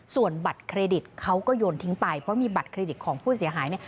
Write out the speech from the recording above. ส่วนบัตรเครดิตเขาก็โยนทิ้งไปเพราะมีบัตรเครดิตของผู้เสียหายเนี่ย